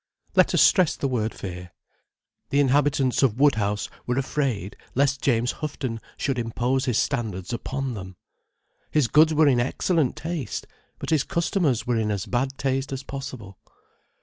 Let us stress the word fear. The inhabitants of Woodhouse were afraid lest James Houghton should impose his standards upon them. His goods were in excellent taste: but his customers were in as bad taste as possible.